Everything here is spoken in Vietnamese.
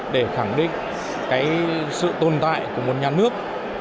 để khẳng định sự tồn tại của một nhà nước